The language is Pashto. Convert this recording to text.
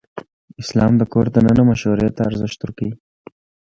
اسلام د کور دننه مشورې ته ارزښت ورکوي.